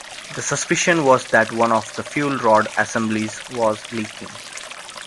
The suspicion was that one of the fuel rod assemblies was leaking.